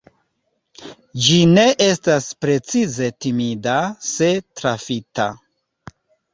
Ĝi ne estas precize timida se trafita.